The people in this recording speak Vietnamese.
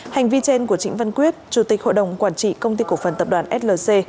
hành vi trên của trịnh văn quyết chủ tịch hội đồng quản trị công ty cổ phần tập đoàn flc